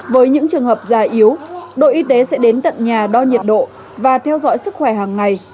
với những trường hợp già yếu đội y tế sẽ đến tận nhà đo nhiệt độ và theo dõi sức khỏe hàng ngày